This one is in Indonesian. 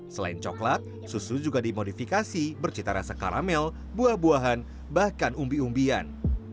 selain coklat susu juga dimodifikasi bercita rasa karamel buah buahan bahkan umbi umbian